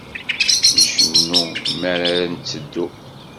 Ncennu mi ara netteddu.